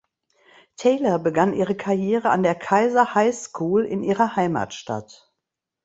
Taylor begann ihre Karriere an der Kaiser High School in ihrer Heimatstadt.